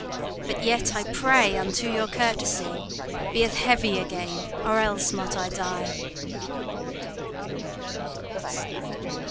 But yet I pray unto your courtesy: Be heavy again, or else might I die!